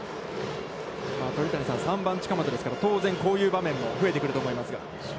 鳥谷さん、３番近本ですから、当然こういう場面も増えてくると思いますが。